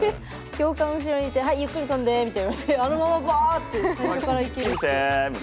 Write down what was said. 教官後ろにいて「はいゆっくり飛んで」みたいに言われてあのままバーッて最初からいけるって。